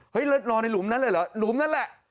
แล้วรอในหลุมนั้นเลยเหรอหลุมนั่นแหละ